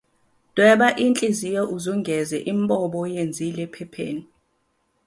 Dweba inhliziyo uzungeze imbobo oyenzile ephepheni.